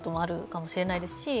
かもしれないですし